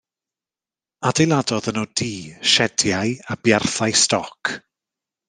Adeiladodd yno dŷ, siediau a buarthau stoc.